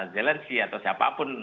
zelensky atau siapapun